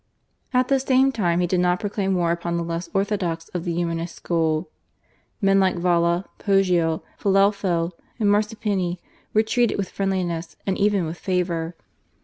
At the same time he did not proclaim war upon the less orthodox of the Humanist school. Men like Valla, Poggio, Filelfo, and Marsuppini were treated with friendliness and even with favour.